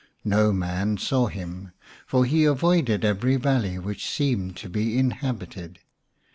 No man saw him, for he avoided every valley which seemed to be in habited.